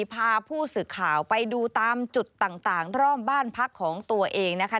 พาผู้สื่อข่าวไปดูตามจุดต่างรอบบ้านพักของตัวเองนะคะ